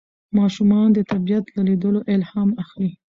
ماشومان د طبیعت له لیدلو الهام اخلي